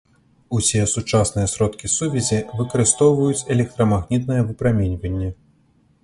Усе сучасныя сродкі сувязі выкарыстоўваюць электрамагнітнае выпраменьванне.